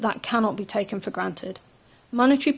tetapi itu tidak dapat diambil alih